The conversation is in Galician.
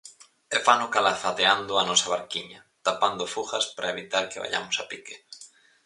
E fano calafateando a nosa barquiña, tapando fugas para evitar que vaiamos a pique.